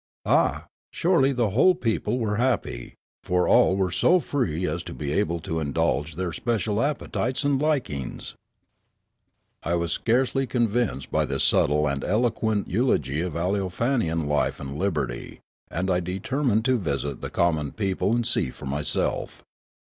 Ah, surely the whole people were happy, for all were so free as to be able to indulge their special appetites and likings ! I was scarcely convinced by this subtle and eloquent eulogy of Aleofanian life and liberty, and I deter mined to visit the common people and see for myself.